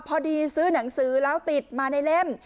พอดีซื้อหนังสือแล้วติดมาในเล่ม